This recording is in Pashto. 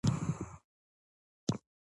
ګل پروت او ګل پاڼه پرته ده.